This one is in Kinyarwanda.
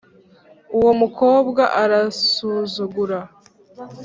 uwomukobwa arasuzugura